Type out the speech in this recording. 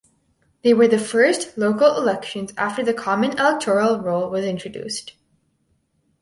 They were the first local elections after the common electoral roll was introduced.